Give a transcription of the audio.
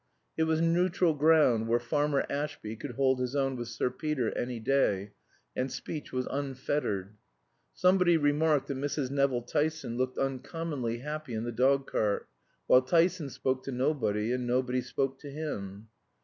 It was neutral ground, where Farmer Ashby could hold his own with Sir Peter any day, and speech was unfettered. Somebody remarked that Mrs. Nevill Tyson looked uncommonly happy in the dog cart; while Tyson spoke to nobody and nobody spoke to him.